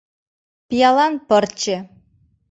«Пиалан пырче.